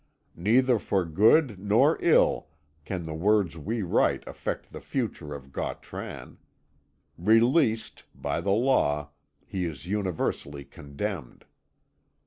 Neither for good nor ill can the words we write affect the future of Gautran. Released, by the law, he is universally condemned.